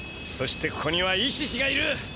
そしてここにはイシシがいる！